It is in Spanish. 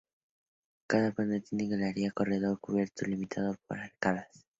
Cada panda tiene una galería o corredor cubierto limitado por arcadas.